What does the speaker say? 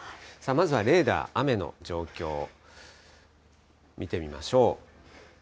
まずはレーダー、雨の状況、見てみましょう。